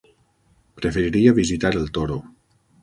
Preferiria visitar el Toro.